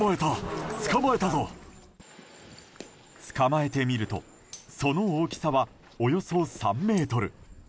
捕まえてみるとその大きさは、およそ３ｍ。